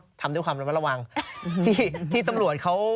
ที่ตำรวจเขายังไม่อยากให้ข่าว